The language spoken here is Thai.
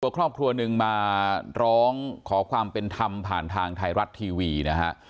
ครอบครัวหนึ่งมาร้องขอความเป็นธรรมผ่านทางไทยรัฐทีวีนะฮะ